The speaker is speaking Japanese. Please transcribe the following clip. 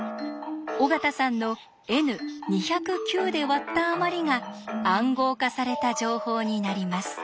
尾形さんのＮ２０９で割ったあまりが暗号化された情報になります。